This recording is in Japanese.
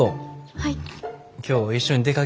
はい。